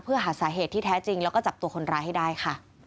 เพื่อหาสาเหตุที่แท้จริงแล้วก็จับตัวคนร้ายให้ได้ค่ะ